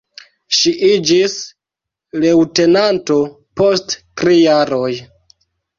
Ŝi iĝis leŭtenanto, post tri jaroj.